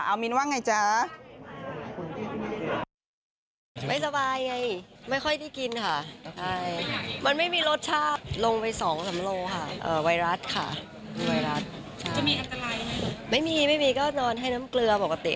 เอามิ้นว่าอย่างไรเจอ